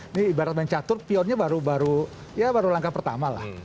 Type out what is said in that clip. ini ibarat dan catur pionnya baru langkah pertama lah